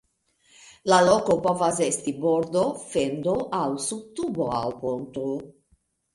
La loko povas esti bordo, fendo aŭ sub tubo aŭ ponto.